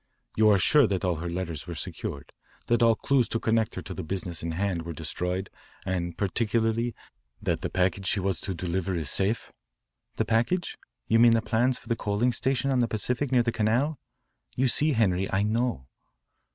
You are sure that all her letters were secured, that all clues to connect her with the business in hand were destroyed, and particularly that the package she was to deliver is safe?" "The package? You mean the plans for the coaling station on the Pacific near the Canal? You see, Henri, I know."